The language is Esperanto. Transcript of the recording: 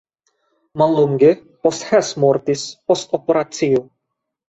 Mallonge post Hess mortis post operacio.